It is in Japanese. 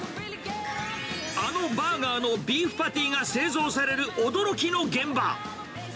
あのバーガーのビーフパティが製造される驚きの現場。